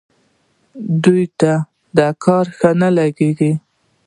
دوی ته دا کار ښه نه لګېږي.